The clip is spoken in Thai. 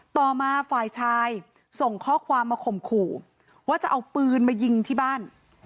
ต่อมาฝ่ายชายส่งข้อความมาข่มขู่ว่าจะเอาปืนมายิงที่บ้าน